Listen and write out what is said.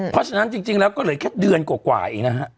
เพราะฉะนั้นจริงแล้วก็เหลือแค่เดือนกว่าเองนะฮะ